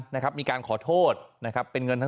มีภาพจากกล้อมรอบหมาของเพื่อนบ้าน